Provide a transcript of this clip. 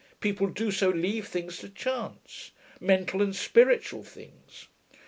People do so leave things to chance mental and spiritual things.